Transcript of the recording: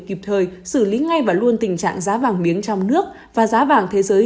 kịp thời xử lý ngay và luôn tình trạng giá vàng miếng trong nước và giá vàng thế giới